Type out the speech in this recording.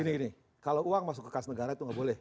gini gini kalau uang masuk ke kas negara itu nggak boleh